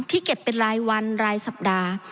เก็บเป็นรายวันรายสัปดาห์